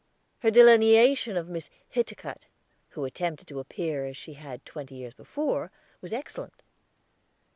Her delineation of Miss Hiticutt, who attempted to appear as she had twenty years before, was excellent.